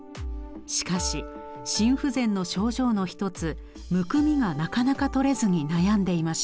しかし心不全の症状の一つむくみがなかなかとれずに悩んでいました。